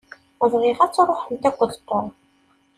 Bɣiɣ ad tṛuḥemt akked Tom.